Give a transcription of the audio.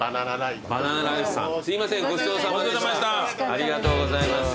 ありがとうございます。